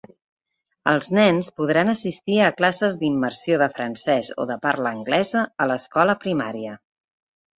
Els nens podran assistir a classes d'immersió de francès o de parla anglesa a l'escola primària.